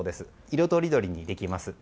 色とりどりにできます。